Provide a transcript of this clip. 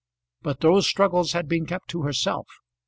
But those struggles had been kept to herself.